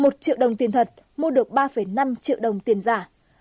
một triệu đồng tiền thật mua được ba năm triệu đồng tiền giả